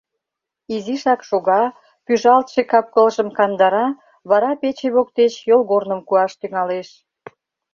Изишак шога, пӱжалтше кап-кылжым кандара, вара пече воктеч йолгорным куаш тӱҥалеш.